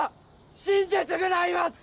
死んで償います！